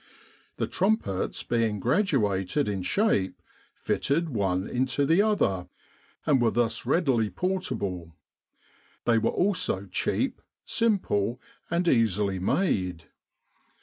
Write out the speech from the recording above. The trumpets, being graduated in shape, fitted one into the other, arid were thus readily portable. They were also cheap, simple, and easily made.